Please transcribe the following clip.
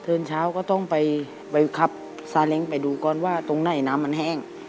เดินเช้าก็ต้องไปขับซาเล้งไปดูก่อนว่าตรงไหนน้ำมันแห้ง